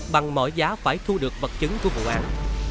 bằng mọi giá phải thu được vật chứng của vụ án